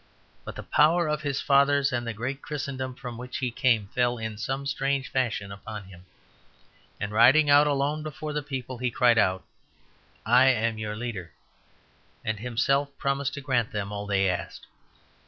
But the power of his fathers and the great Christendom from which he came fell in some strange fashion upon him; and riding out alone before the people, he cried out, "I am your leader"; and himself promised to grant them all they asked.